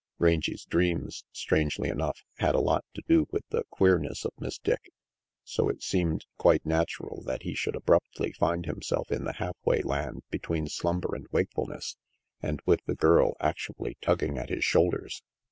Rangy's dreams, strangely enough, had a lot to do with the queerness of Miss Dick, so it seemed quite natural that he should abruptly find himself in the half way land between slumber and wakeful ness and with the girl actually tugging at his 134 RANGY PETE shoulders.